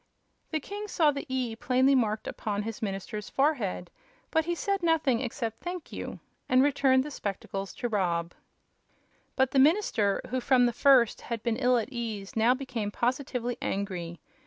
The king saw the "E" plainly marked upon his minister's forehead, but he said nothing except "Thank you," and returned the spectacles to Rob. But the minister, who from the first had been ill at ease, now became positively angry.